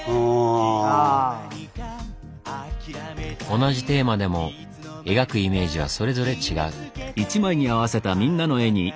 同じテーマでも描くイメージはそれぞれ違う。